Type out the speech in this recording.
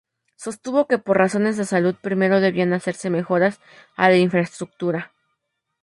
Sostuvo que por razones de salud, primero debían hacerse mejoras a la infraestructura.